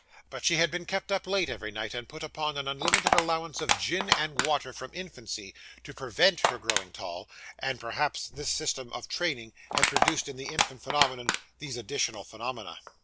But she had been kept up late every night, and put upon an unlimited allowance of gin and water from infancy, to prevent her growing tall, and perhaps this system of training had produced in the infant phenomenon these additional phenomena.